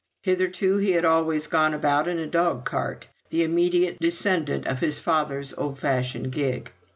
Hitherto he had always gone about in a dog cart the immediate descendant of his father's old fashioned gig.